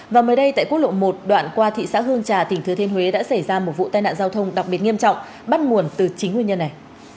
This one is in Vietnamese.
và mới đây tại quốc lộ một đoạn qua thị xã hương trà tỉnh thừa thiên huế đã xảy ra một vụ tai nạn giao thông đặc biệt nghiêm trọng bắt nguồn từ chính nguyên nhân này